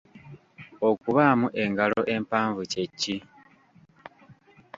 Okubaamu engalo empanvu kye ki?